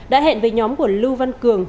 đã hẹn với nhóm của lưu văn cường